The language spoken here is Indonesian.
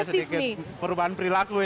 sedikit perubahan perilaku ya